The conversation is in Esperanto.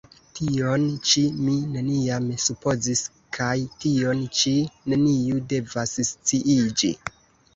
tion ĉi mi neniam supozis kaj tion ĉi neniu devas sciiĝi!